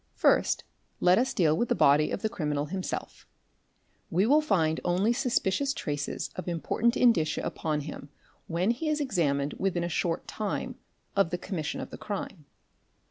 ; First let us deal with the body of the criminal himself ; we will find only suspicious traces of important indicia upon him, when he is ex amined within a short time of the commission of the crime.